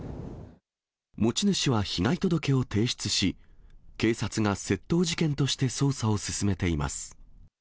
持ち主は被害届を提出し、警察が窃盗事件として捜査を進めています。